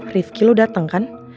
rifky lo dateng kan